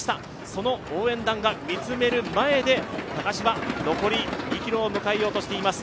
その応援団が見つめる前で高島、残り２ｋｍを迎えようとしています。